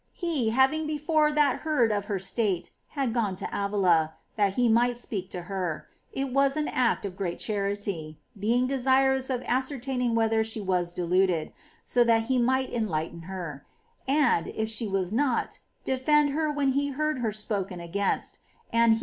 He, having before that heard of her state, had gone to Avila, that he might speak to her, — it was an act of great charity, — being desirous of ascertaining whether she was deluded, so that he might en lighten her, and, if she was not, defend her when he heard her spoken against ; and he was much satisfied.